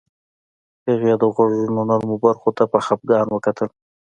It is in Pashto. هغې د غوږونو نرمو برخو ته په خفګان وکتل